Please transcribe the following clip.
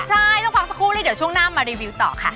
ใช่ต้องพักสักครู่แล้วเดี๋ยวช่วงหน้ามารีวิวต่อค่ะ